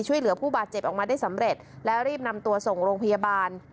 ช่วยเหลือผู้บาดเจ็บออกมาได้สำเร็จและรีบนำตัวส่งโรงพยาบาล